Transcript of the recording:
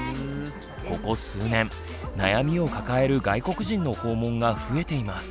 ここ数年悩みを抱える外国人の訪問が増えています。